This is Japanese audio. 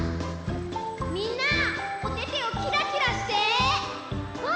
みんなおててをキラキラして！